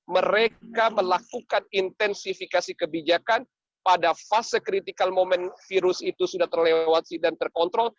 mereka melakukan intensifikasi kebijakan pada fase kritikal momen virus itu sudah terlewati dan terkontrol